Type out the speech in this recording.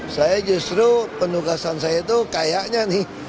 saya justru penugasan saya itu kayaknya nih